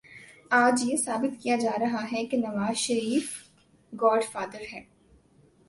آج یہ ثابت کیا جا رہا ہے کہ نوازشریف گاڈ فادر ہے۔